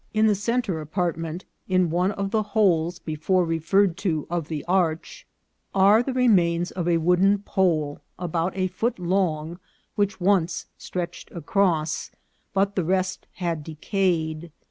315 the centre apartment, in one of the holes before refer red to of the arch, are the remains of a wooden pole about a foot long, which once stretched across, but the rest had decayed.